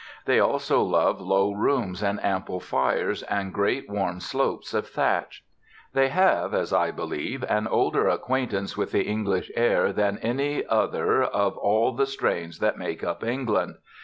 They also love low rooms and ample fires and great warm slopes of thatch. They have, as I believe, an older acquaintance with the English air than any other of all the strains that make up England.